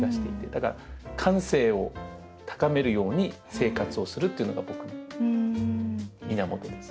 だから感性を高めるように生活をするっていうのが僕の源です。